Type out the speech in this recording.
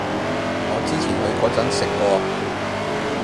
我之前去嗰陣食過